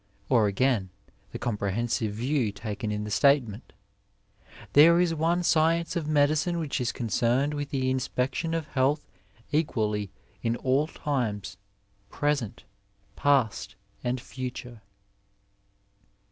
Or, again, the comprehensive view taken in the statement, ''There is one science of medicine which is concerned with the inspection of health equally in all times, present, past and future."